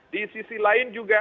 di sisi lain juga